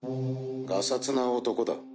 がさつな男だ。